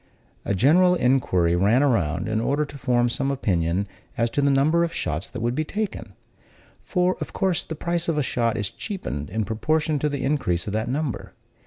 A general inquiry ran around, in order to form some opinion as to the number of shots that would be taken; for, of course, the price of a shot is cheapened in proportion to the increase of that number.